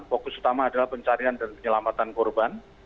fokus utama adalah pencarian dan penyelamatan korban